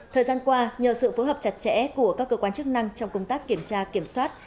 thời gian qua nhờ sự phối hợp chặt chẽ của các cơ quan chức năng trong công tác kiểm tra kiểm soát